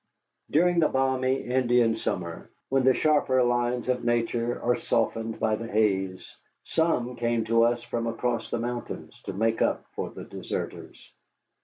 During the balmy Indian summer, when the sharper lines of nature are softened by the haze, some came to us from across the mountains to make up for the deserters.